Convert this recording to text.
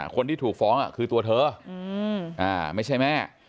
คนที่ถูกฟ้องคือตัวเธอไม่ใช่แม่